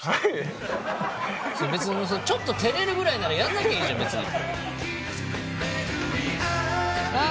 ちょっと照れるぐらいならやんなきゃいいじゃん別に。